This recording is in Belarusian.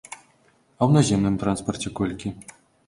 А ў наземным транспарце колькі?